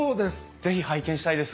是非拝見したいです！